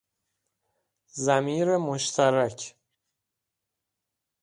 ضمیر مشترک